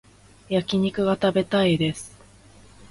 焼き肉が食べたいです